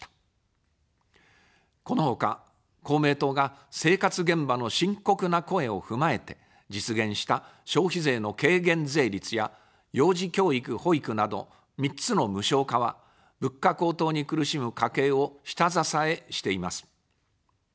このほか、公明党が生活現場の深刻な声を踏まえて実現した消費税の軽減税率や幼児教育・保育など３つの無償化は、物価高騰に苦しむ家計を下支えしています。